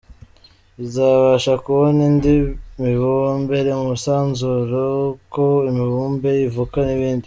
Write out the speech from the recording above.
Izabasha kubona indi mibumbe iri mu isanzure, uko imibumbe ivuka n’ibindi.